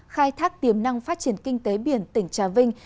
khai thác tiềm năng phát triển kinh tế biển tỉnh trà vinh